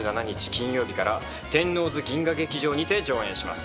金曜日から天王洲銀河劇場にて上演します。